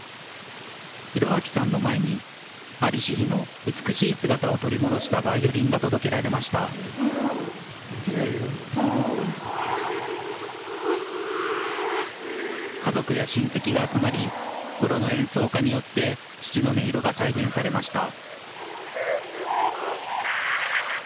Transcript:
弘明さんの前に在りし日の美しい姿を取り戻した家族や親戚が集まりプロの演奏家によって父の音色が再現されました。